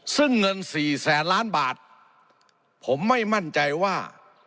ซึ่งเงินสี่แสนล้านบาทผมไม่มั่นใจว่า